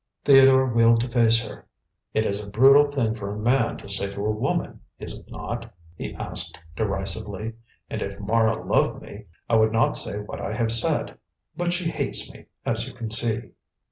Theodore wheeled to face her. "It is a brutal thing for a man to say to a woman, is it not?" he asked derisively; "and if Mara loved me, I would not say what I have said. But she hates me, as you can see."